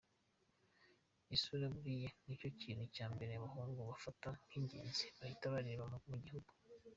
Isura buriya nicyo kintu cya mbere abahungu bafata nk’ingenzi bahita bareba mugihura.